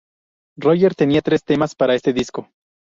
Roger tenía tres temas para este disco.